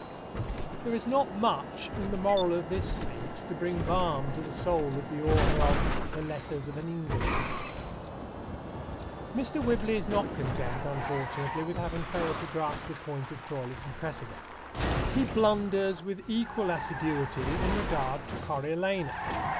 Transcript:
There is not much in the moral of this speech to bring balm to the soul of the author of the Letters of an Englishman. Mr. Whibley is not content, unfortunately, with having failed to grasp the point of Troilus and Cressida. He blunders with equal assiduity in regard to Coriolanus.